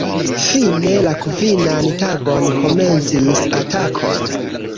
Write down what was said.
Fine la kvinan tagon komencis atakon.